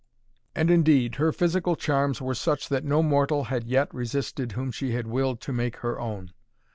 And, indeed, her physical charms were such as no mortal had yet resisted whom she had willed to make her own.